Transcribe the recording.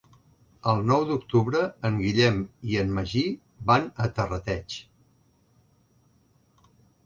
El nou d'octubre en Guillem i en Magí van a Terrateig.